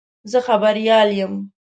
زه خبریال یم.